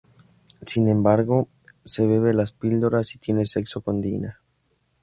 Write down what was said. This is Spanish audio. Sin embargo, se bebe las píldoras y tiene sexo con Dina.